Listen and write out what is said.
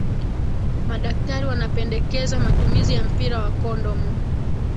madaktari wanapendekeza matumizi ya mpira wa kondomu